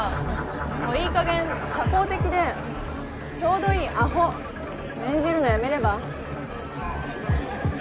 もういいかげん社交的でちょうどいいアホ演じるのやめれば？